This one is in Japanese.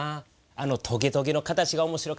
あのトゲトゲの形が面白かってんな。